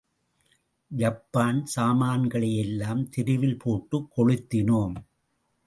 Japan சாமான்களையெல்லாம் தெருவில் போட்டுக் கொளுத்தினோம்.